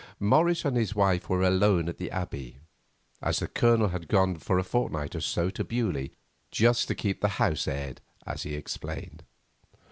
Morris and his wife were alone at the Abbey, as the Colonel had gone for a fortnight or so to Beaulieu, just to keep the house aired, as he explained.